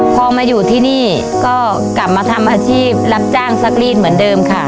พอมาอยู่ที่นี่ก็กลับมาทำอาชีพรับจ้างซักรีดเหมือนเดิมค่ะ